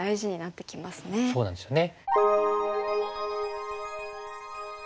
そうなんですよね。